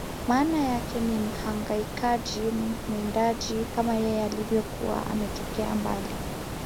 Maana yake ni Mhangaikaji Mwindaji kama yeye alivyokuwa ametokea mbali